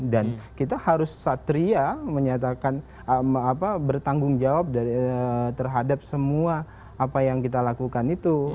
kita harus satria menyatakan bertanggung jawab terhadap semua apa yang kita lakukan itu